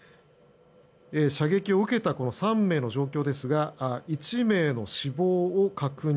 射撃を受けたこの３名の状況ですが１名の死亡を確認